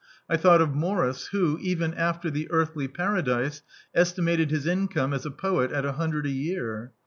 I thought of Morris, who, even after The Earthly Paradise, estimated his inccme as a poet at a hundred a year.